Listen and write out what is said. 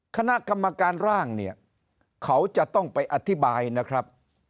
คณะกรรมการร่างเนี่ยเขาจะต้องไปอธิบายนะครับ